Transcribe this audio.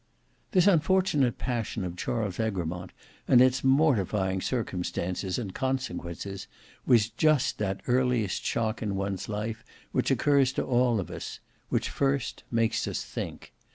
This unfortunate passion of Charles Egremont, and its mortifying circumstances and consequences, was just that earliest shock in one's life which occurs to all of us; which first makes us think.